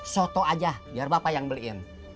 soto aja biar bapak yang beliin